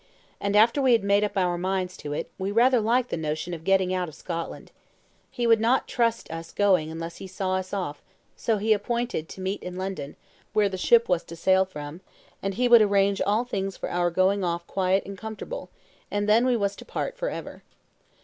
And, after we had made up our minds to it, we rather liked the notion of getting out of Scotland. He would not trust to us going unless he saw us off; so he appointed to meet in London, where the ship was to sail from, and he would arrange all things for our going off quiet and comfortable; and then we was to part for ever.